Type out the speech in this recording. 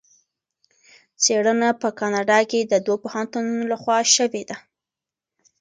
څېړنه په کاناډا کې د دوه پوهنتونونو لخوا شوې ده.